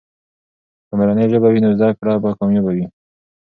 که مورنۍ ژبه وي، نو زده کړه به کامیابه وي.